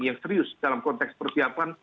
yang serius dalam konteks persiapan